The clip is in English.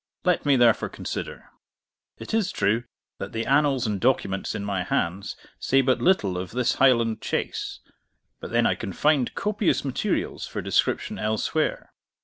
Let me therefore consider. It is true that the annals and documents in my hands say but little of this Highland chase; but then I can find copious materials for description elsewhere.